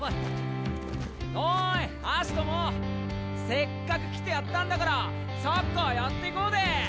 せっかく来てやったんだからサッカーやっていこうで！